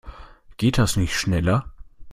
Geht das nicht schneller?